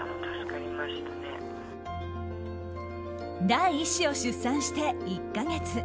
第１子を出産して１か月。